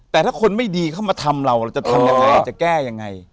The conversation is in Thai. แต่ถ้าคนไม่ดีเข้ามาทำเราจะทำอย่างไรจะแก้อย่างไร